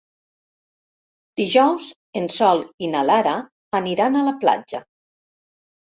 Dijous en Sol i na Lara aniran a la platja.